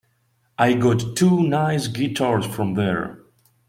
I got two nice guitars from there.